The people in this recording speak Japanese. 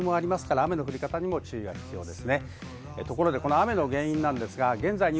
雨の降り方に注意が必要です。